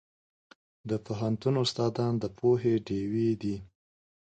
د پوهنتون استادان د پوهې ډیوې دي.